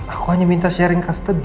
aku hanya minta sharing custoge